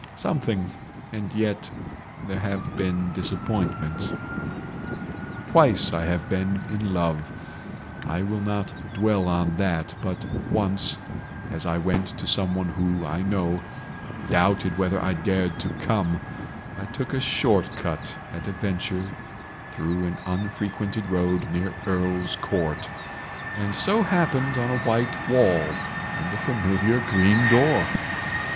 Something—and yet there have been disappointments ..... "Twice I have been in love—I will not dwell on that—but once, as I went to someone who, I know, doubted whether I dared to come, I took a short cut at a venture through an unfrequented road near Earl's Court, and so happened on a white wall and a familiar green door.